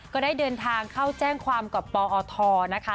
ก็ได้เดินทางเข้าแจ้งความกับปอทนะคะ